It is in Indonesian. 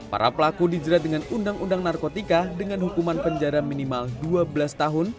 para pelaku dijerat dengan undang undang narkotika dengan hukuman penjara minimal dua belas tahun